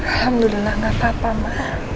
alhamdulillah gak apa apa mbak